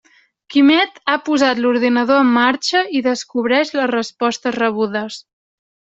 Quimet ha posat l'ordinador en marxa i descobreix les respostes rebudes.